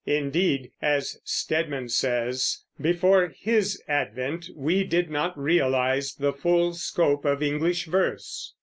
Indeed, as Stedman says, "before his advent we did not realize the full scope of English verse."